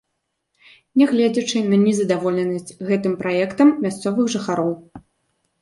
Нягледзячы на незадаволенасць гэтым праектам мясцовых жыхароў.